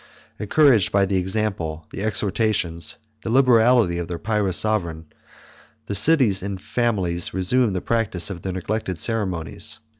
Encouraged by the example, the exhortations, the liberality, of their pious sovereign, the cities and families resumed the practice of their neglected ceremonies.